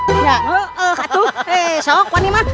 eh kak jut eh siapa ini man